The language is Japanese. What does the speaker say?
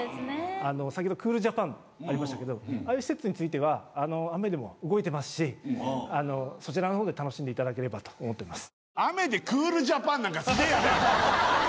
先ほどクール・ジャッパーンありましたけどああいう施設については雨でも動いてますしそちらの方で楽しんでいただければと思ってます